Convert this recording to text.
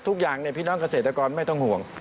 พี่น้องเกษตรกรไม่ต้องห่วง